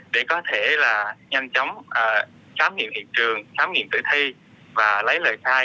để có thể là nhanh chóng khám nghiệm hiện trường khám nghiệm tử thi và lấy lời khai